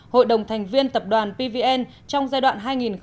hội đồng thành viên tập đoàn pvn trong giai đoạn hai nghìn chín hai nghìn một mươi một